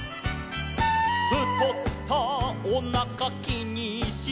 「ふとったおなかきにして」